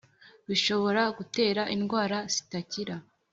bishobora gutera indwara zitakira